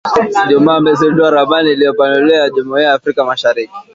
Ijumaa wamezindua ramani iliyopanuliwa ya Jumuiya ya Afrika Mashariki